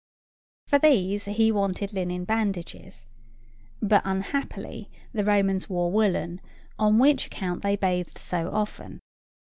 For these he wanted linen bandages. But, unhappily, the Romans wore woollen, on which account they bathed so often.